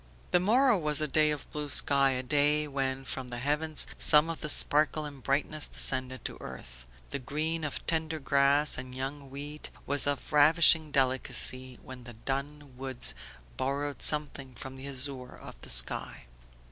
The morrow was a day of blue sky, a day when from the heavens some of the sparkle and brightness descends to earth. The green of tender grass and young wheat was of a ravishing delicacy, even the dun woods borrowed something from the azure of the sky.